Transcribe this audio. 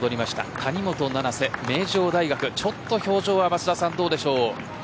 谷本七星、名城大学ちょっと表情はどうでしょう。